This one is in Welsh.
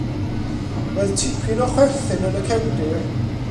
Roedd tipyn o chwerthin yn y cefndir.